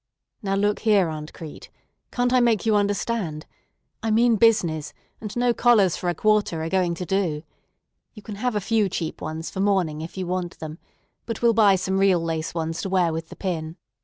"Now look here, Aunt Crete! Can't I make you understand? I mean business, and no collars for a quarter are going to do. You can have a few cheap ones for morning if you want them, but we'll buy some real lace ones to wear with the pin.